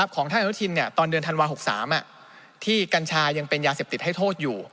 ของท่านอนุทินตอนเดือนธันวา๖๓ที่กัญชายังเป็นยาเสพติดให้โทษอยู่